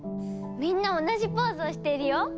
みんな同じポーズをしているよ。